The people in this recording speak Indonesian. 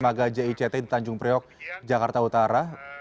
semoga jijt di tanjung priok jakarta utara